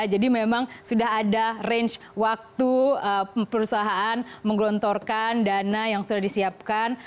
jadi memang sudah ada range waktu perusahaan menggelontorkan dana yang sudah disiapkan